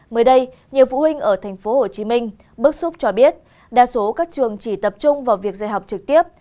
mới đây nhiều phụ huynh ở tp hcm bức xúc cho biết đa số các trường chỉ tập trung vào việc dạy học trực tiếp